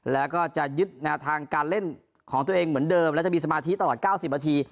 แล้วก็จะยึดแนวทางการเล่นของตัวเองเหมือนเดิมและจะมีสมาธิตลอด๙๐นาที